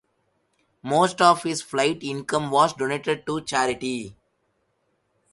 Most of his flight income was donated to charity.